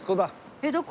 えっどこ？